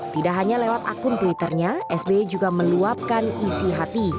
tidak hanya lewat akun twitternya sby juga meluapkan isi hati